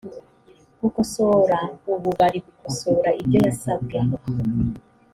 gukosora ubu bari gukosora ibyo yasabwe